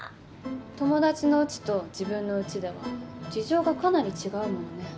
友達のうちと自分のうちでは事情がかなり違うものね。